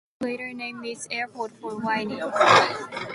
Orange County later named its airport for Wayne.